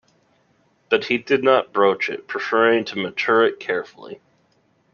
But he did not broach it, preferring to mature it carefully.